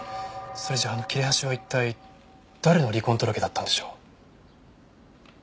それじゃああの切れ端は一体誰の離婚届だったんでしょう？